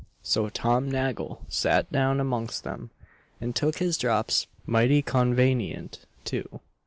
So Tom Nagle sat down amongst them, and took his drops 'mighty convanient' too.